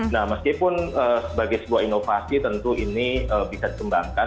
nah meskipun sebagai sebuah inovasi tentu ini bisa dikembangkan